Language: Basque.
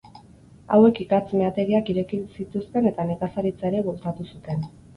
Hauek ikatz meategiak ireki zituzten eta nekazaritza ere bultzatu zuten.